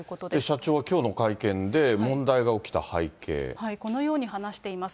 社長はきょうの会見で、このように話しています。